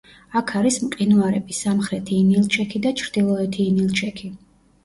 აქ არის მყინვარები: სამხრეთი ინილჩექი და ჩრდილოეთი ინილჩექი.